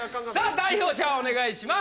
代表者お願いします